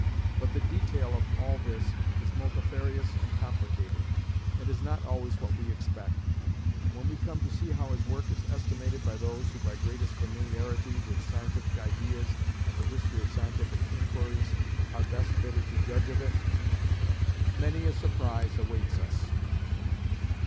But the detail of all this is multifarious and complicated, and is not always what we expect; and when we come to see how his work is estimated by those who, by greatest familiarity with scientific ideas and the history of scientific inquiries, are best fitted to judge of it, many a surprise awaits us.